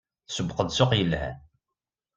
Tsewweq-d ssuq yelhan.